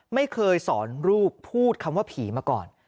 ไม่เคยสอนลูกพูดคำว่าผีมาก่อน